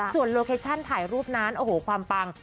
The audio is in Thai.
ส่วนโลเคชั่นถ่ายรูปนั้นโอ้โหความปัง